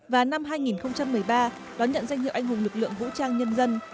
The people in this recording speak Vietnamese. và năm hai nghìn một mươi ba đón nhận danh hiệu anh hùng lực lượng vũ trang nhân dân